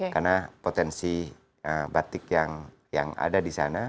karena potensi batik yang ada di sana